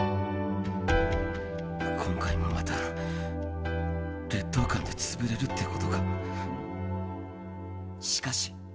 今回もまた劣等感で潰れるっしかし。